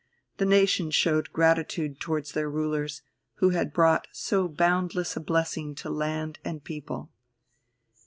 The nation showed gratitude towards their rulers, who had brought so boundless a blessing to land and people.